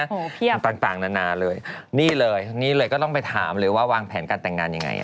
ต่างต่างนานาเลยนี่เลยนี่เลยก็ต้องไปถามเลยว่าวางแผนการแต่งงานยังไง